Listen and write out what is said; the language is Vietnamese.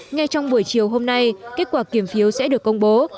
ngay trong buổi chiều hôm nay kết quả kiểm phiếu sẽ được công bố